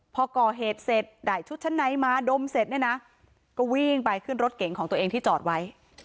พอก่อเหตุเสร็จได้ชุดชั้นในมาดมเสร็จเนี่ยนะก็วิ่งไปขึ้นรถเก๋งของตัวเองที่จอดไว้